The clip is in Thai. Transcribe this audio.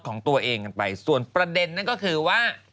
ของตัวเองกันไปส่วนประเด็นนั่นก็คือว่า